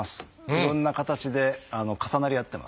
いろんな形で重なり合ってます。